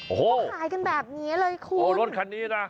โอ้โหหายกันแบบนี้เลยคุณโอ้รถคันนี้นะ